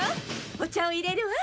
お茶を入れるわ。